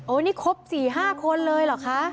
โอ้นี่คบสี่ห้าคนเลยเหรอคะ